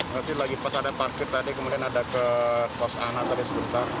nanti lagi pas ada parkir tadi kemudian ada ke pos anak tadi sebentar